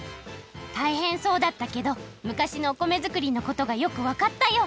たいへんそうだったけど昔のお米づくりのことがよくわかったよ。